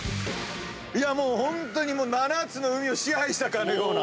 もうホントに７つの海を支配したかのような。